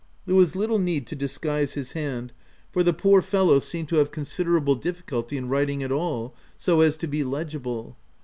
There was little need to disguise his hand, for the poor fellow seemed 166 THE TENANT to have considerable difficulty in writing at all, so as to be legible.